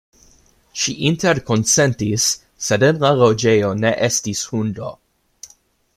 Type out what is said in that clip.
Ŝi interkonsentis, sed en la loĝejo ne estis hundo.